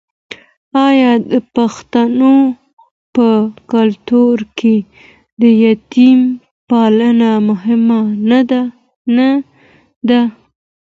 آیا د پښتنو په کلتور کې د یتیم پالنه مهمه نه ده؟